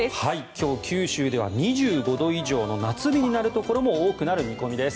今日、九州では２５度以上の夏日になるところも多くなる見込みです。